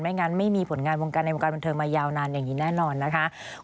งั้นไม่มีผลงานวงการในวงการบันเทิงมายาวนานอย่างนี้แน่นอนนะคะ